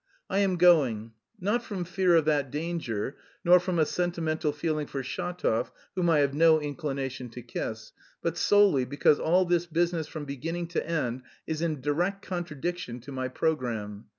I am going not from fear of that danger nor from a sentimental feeling for Shatov, whom I have no inclination to kiss, but solely because all this business from beginning to end is in direct contradiction to my programme.